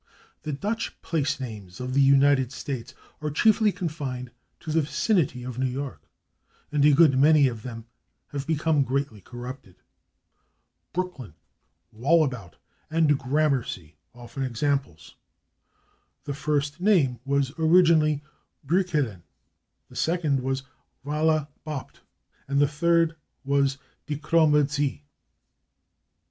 The Dutch place names of the United States are chiefly confined to the vicinity of New York, and a good many of them have become greatly corrupted. /Brooklyn/, /Wallabout/ and /Gramercy/ offer examples. The first named was originally /Breuckelen/, the second was /Waale Bobht/, and the third was /De Kromme Zee